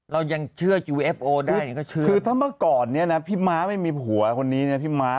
เรายังเชื่อยูเผโฟได้งั้นก็เชื่อน่ะ